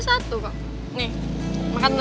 satu dong masa dua